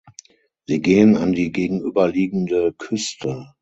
Sie gehen an die gegenüberliegende Küste.